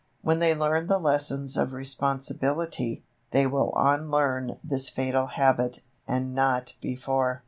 When they learn the lessons of responsibility, they will unlearn this fatal habit, and not before.